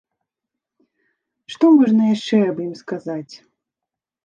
Што можна яшчэ аб ім сказаць?